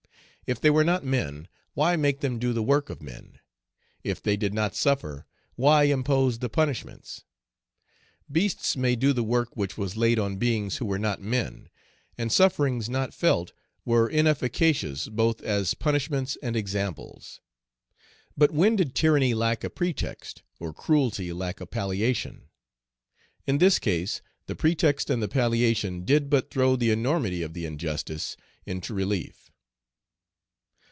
If they were not men, why make them do the work of men? If they did not suffer, why impose the punishments? Beasts may do the work which was laid on beings who were not men; and sufferings not felt were inefficacious both as punishments and examples. But when did tyranny lack a pretext, or cruelty lack a palliation? In this case, the pretext and the palliation did but throw the enormity of the injustice into relief.